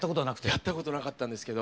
やったことなかったんですけど。